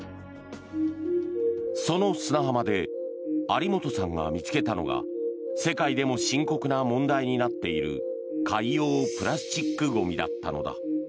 そんな砂浜で有本さんが見つけたのが世界でも深刻な問題になっている海洋プラスチックゴミだったのだ。